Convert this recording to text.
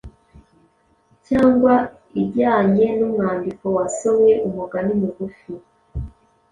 cyangwa ijyanye n’umwandiko wasomwe, umugani mugufi,